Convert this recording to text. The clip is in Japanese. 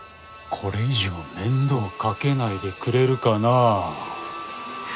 これ以上面倒かけないでくれるかな？